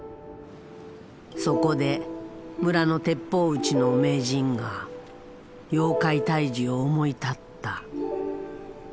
そこで村の鉄砲撃ちの名人が妖怪退治を思い立った。